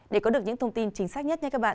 để có được những thông tin chính xác nhất